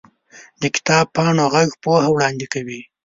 د کتاب پاڼو ږغ پوهه وړاندې کوي.